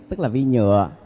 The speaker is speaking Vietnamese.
tức là vi nhựa